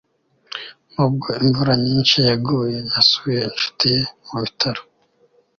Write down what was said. nubwo imvura nyinshi yaguye, yasuye inshuti ye mu bitaro